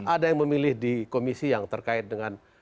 ada yang memilih di komisi yang terkait dengan